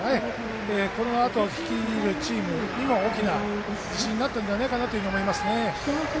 このあと率いるチームにも大きな自信になったんじゃないかと思いますね。